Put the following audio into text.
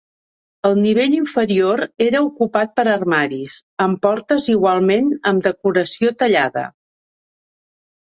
El nivell inferior era ocupat per armaris, amb portes igualment amb decoració tallada.